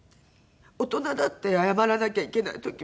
「大人だって謝らなきゃいけない時もあるのよ」